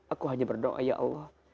aku hanya berdoa ya allah